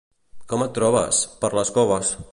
—Com et trobes? —Per les coves!